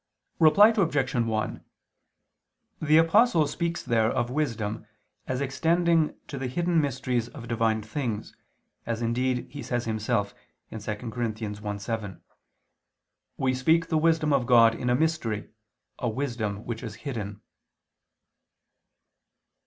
Reply Obj. 1: The Apostle speaks there of wisdom, as extending to the hidden mysteries of Divine things, as indeed he says himself (2 Cor. 1:7): "We speak the wisdom of God in a mystery, a wisdom which is hidden."